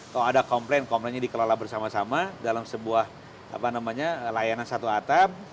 kalau ada komplain komplainnya dikelola bersama sama dalam sebuah layanan satu atap